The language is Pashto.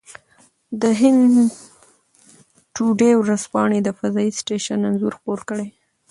د هند ټوډې ورځپاڼه د فضايي سټېشن انځور خپور کړی.